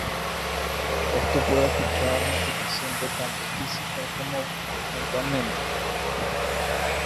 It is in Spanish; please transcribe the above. Estos pueden afectar al paciente tanto física como mentalmente.